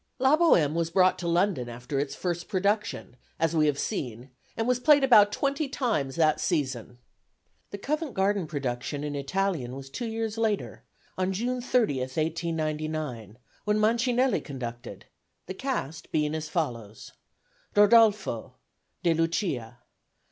La Bohème was brought to London after its first production, as we have seen, and was played about twenty times that season. The Covent Garden production in Italian was two years later, on June 30, 1899, when Mancinelli conducted, the cast being as follows: Rodolfo DE LUCIA.